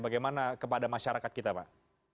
bagaimana kepada masyarakat kita pak